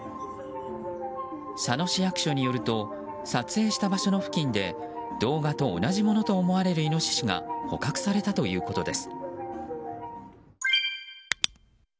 佐野市役所によると撮影した場所の付近で動画と同じものと思われるイノシシが捕獲されたということです。